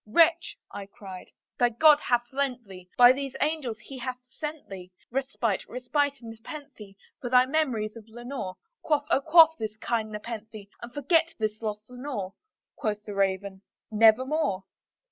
"Wretch," I cried, "thy God hath lent thee by these angels He hath sent thee Respite respite and nepenthe from thy memories of Lenore! Quaff, oh, quaff this kind nepenthe, and forget this lost Lenore!" Quoth the Raven, "Nevermore."